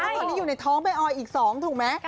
แล้วก็อยู่ในท้องแบบออยอีกสองถูกมั้ย